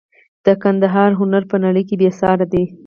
د ګندهارا هنر په نړۍ کې بې ساري دی